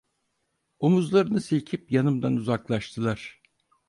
Omuzlarını silkip yanımdan uzaklaştılar.